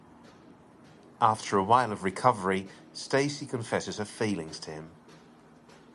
After a while of recovery, Stacey confesses her feelings to him.